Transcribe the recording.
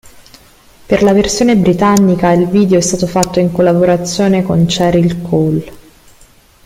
Per la versione britannica, il video è stato fatto in collaborazione con Cheryl Cole.